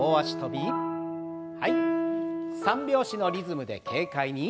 ３拍子のリズムで軽快に。